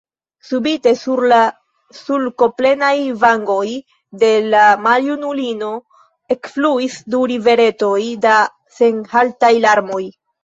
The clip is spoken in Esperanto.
Subite sur la sulkoplenaj vangoj de la maljunulino ekfluis du riveretoj da senhaltaj larmoj.